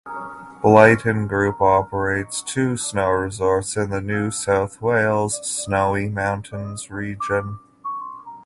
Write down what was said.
Blyton Group operates two snow resorts in the New South Wales Snowy Mountains region.